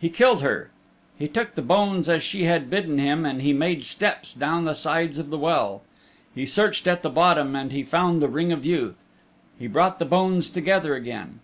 He killed her. He took the bones as she had bidden him, and he made steps down the sides of the well. He searched at the bottom, and he found the Ring of Youth. He brought the bones together again.